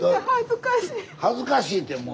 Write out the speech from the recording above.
はずかしいてもう。